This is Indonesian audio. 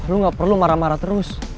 lu gak perlu marah marah terus